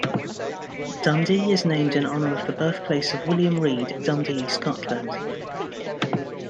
Dundee is named in honor of the birthplace of William Reid, Dundee, Scotland.